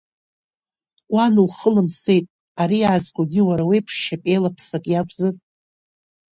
Уан лхылымсеит, ари аазгогьы уа уеиԥш шьапеилаԥсак иакәзар?